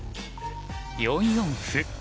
４四歩。